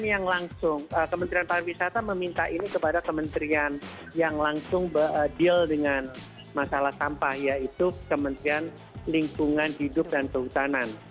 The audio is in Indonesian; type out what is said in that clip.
yang langsung kementerian pariwisata meminta ini kepada kementerian yang langsung deal dengan masalah sampah yaitu kementerian lingkungan hidup dan kehutanan